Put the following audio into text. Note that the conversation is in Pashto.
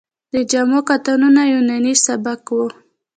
د جامو کاتونه یوناني سبک و